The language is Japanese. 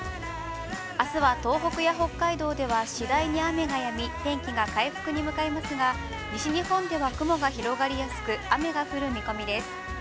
あすは東北や北海道では、雨がやみ、天気が回復に向かいますが西日本では雲が広がりやすく、雨が降る見込みです。